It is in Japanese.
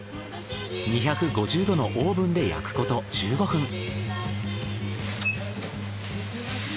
２５０℃のオーブンで焼くこと１５分。